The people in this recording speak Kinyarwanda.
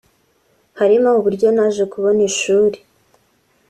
harimo uburyo naje kubona ishuli